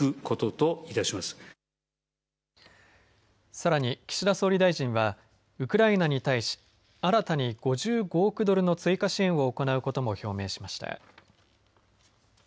さらに、岸田総理大臣はウクライナに対し新たに５５億ドルの追加支援を行うことも表明しました。